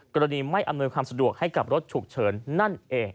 กรณีไม่อำนวยความสะดวกให้กับรถฉุกเฉินนั่นเอง